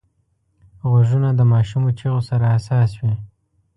غوږونه د ماشومو چیغو سره حساس وي